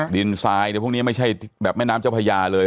ทรายพวกนี้ไม่ใช่แบบแม่น้ำเจ้าพญาเลย